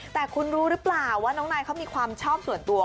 แต่คุณรู้หรือเปล่าว่าน้องนายเขามีความชอบส่วนตัว